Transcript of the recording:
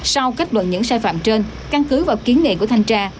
sau kết luận những sai phạm trên căn cứ và kiến nghị của thanh ra